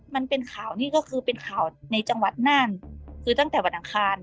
มันเป็นข่าวนี่ก็คือเป็นข่าวในจังหวัดน่านคือตั้งแต่วันอังคาร